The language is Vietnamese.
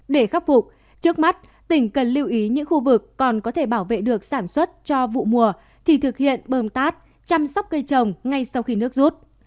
để khắc phục trước mắt tỉnh cần lưu ý những khu vực còn có thể bảo vệ được sản xuất cho vụ mùa thì thực hiện bơm tát chăm sóc cây trồng ngay sau khi nước rút